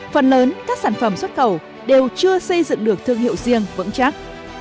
phần lớn các sản phẩm xuất khẩu đều chưa xây dựng được thương hiệu riêng vững chắc